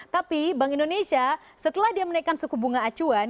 tapi bank indonesia setelah dia menaikkan suku bunga acuan